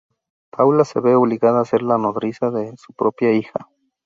Paula se ve obligada a ser la nodriza de su propia hija.